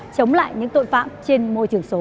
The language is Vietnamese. chống lại những tội phạm trên môi trường số